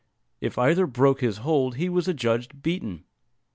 If either broke his hold he was adjudged beaten.